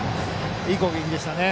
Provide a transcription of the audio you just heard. いい攻撃でしたね。